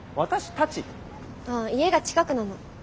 あ家が近くなの。